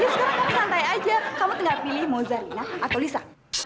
santai aja kamu tidak pilih mozalina atau lisa